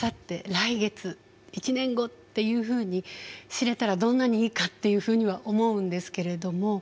来月１年後っていうふうに知れたらどんなにいいかっていうふうには思うんですけれども。